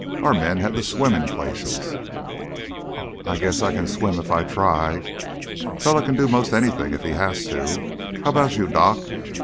"Our men had to swim in places." "I guess I can swim, if I try. Feller can do 'most anything if he has to. How about you, Doc?"